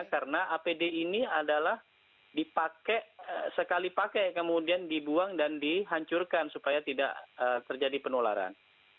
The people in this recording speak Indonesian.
karena apd ini adalah dipakai sekali pakai kemudian dibuang dan dihancurkan supaya tidak terjadi penularan